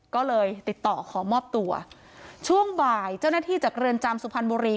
ก็เลยติดต่อขอมอบตัวช่วงบ่ายเจ้าหน้าที่จากเรือนจำสุพรรณบุรี